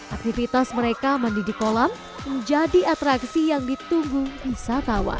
aktivitas mereka mandi di kolam menjadi atraksi yang ditunggu wisatawan